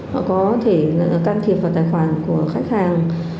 họ có thể can thiệp vào tài khoản của khách hàng